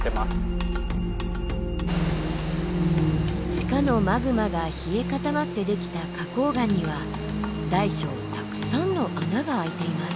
地下のマグマが冷え固まってできた花崗岩には大小たくさんの穴があいています。